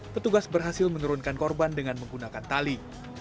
petugas berhasil menurunkan korban dengan menggunakan tali